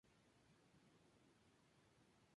Generalmente, indica una entonación descendente.